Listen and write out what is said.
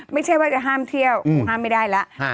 ไม่ใช่ว่าจะห้ามเที่ยวห้ามไม่ได้แล้ว